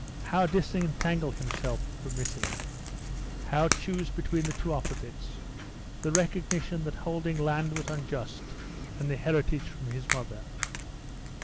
How disentangle himself from Missy? How choose between the two opposites the recognition that holding land was unjust and the heritage from his mother?